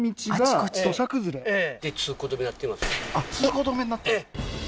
通行止めになってる？